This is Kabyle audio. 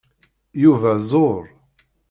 Yuba zur.